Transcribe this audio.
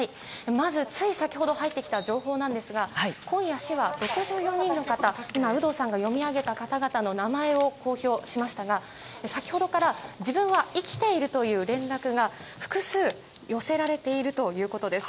まず、つい先ほど入ってきた情報ですが今夜、市は６４人の方今、有働さんが読み上げた方々の公表しましたが先ほどから自分は生きているという連絡が複数寄せられているということです。